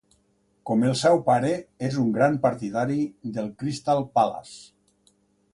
Com el seu pare, és un gran partidari del Crystal Palace.